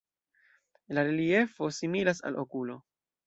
La reliefo similas al okulo.